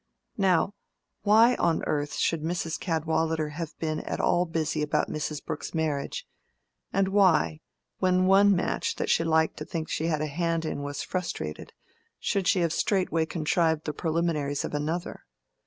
Now, why on earth should Mrs. Cadwallader have been at all busy about Miss Brooke's marriage; and why, when one match that she liked to think she had a hand in was frustrated, should she have straightway contrived the preliminaries of another?